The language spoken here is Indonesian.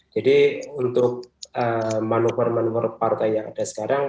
jadi untuk manuver manuver partai yang ada sekarang